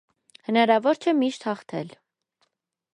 Հնարավոր չէ միշտ հաղթել։